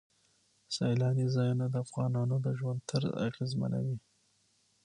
سیلانی ځایونه د افغانانو د ژوند طرز اغېزمنوي.